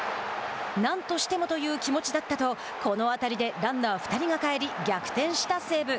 何としてもという気持ちだったとこの当たりでランナー２人が帰り逆転した西武。